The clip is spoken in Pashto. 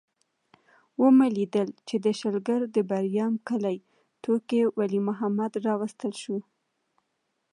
ومې لیدل چې د شلګر د بریام کلي ټوکي ولي محمد راوستل شو.